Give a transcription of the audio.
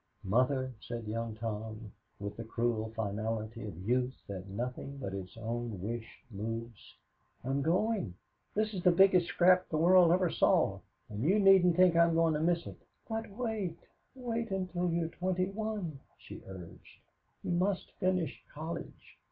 "Mother," said Young Tom, with the cruel finality of youth that nothing but its own wish moves, "I'm going. This is the biggest scrap the world ever saw, and you needn't think I'm going to miss it." "But wait wait until you're twenty one," she urged. "You must finish college.